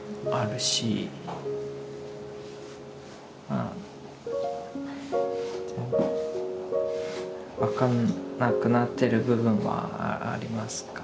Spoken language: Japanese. まあ分かんなくなってる部分はあります。